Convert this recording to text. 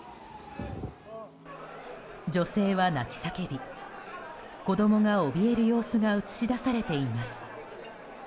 女性は泣き叫び、子供がおびえる様子が映し出されています。